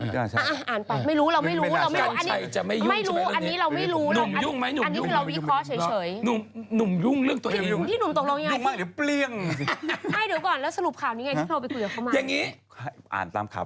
อย่างงี้อ่านตามข่าว